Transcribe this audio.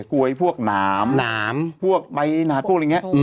กลัวให้พวกหนามใบหนาดพวกอะไรอย่างนี้